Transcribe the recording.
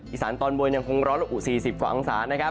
อีสานตอนบนยังคงร้อนละอุ๔๐ฝั่งองศานะครับ